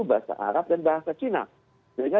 bahasa arab dan bahasa cina sehingga